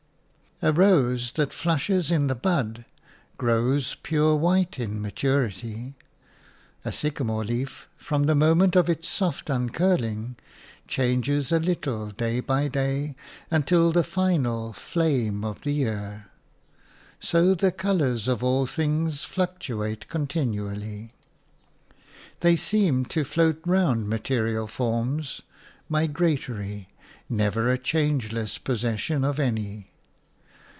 A ROSE that flushes in the bud grows pure white in maturity; a sycamore leaf, from the moment of its soft uncurling, changes a little day by day until the final flame of the year; so the colours of all things fluctuate continually. They seem to float round material forms, migratory, never a changeless possession of any.